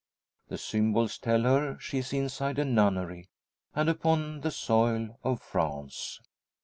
The symbols tell her she is inside a nunnery, and upon the soil of France!